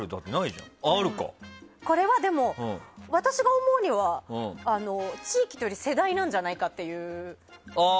これはでも私が思うには地域というより世代なんじゃないかっていう。